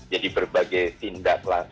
jadi berbagai tindaklah